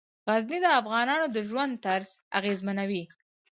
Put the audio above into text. غزني د افغانانو د ژوند طرز اغېزمنوي.